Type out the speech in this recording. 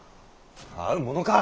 会うものか！